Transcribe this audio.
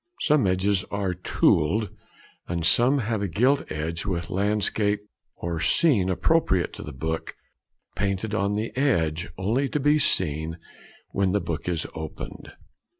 Some edges are "tooled," and some have a gilt edge with landscape or scene appropriate to the book painted on the edge, only to be seen when the book is opened.